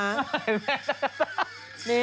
เฮ่ยแมน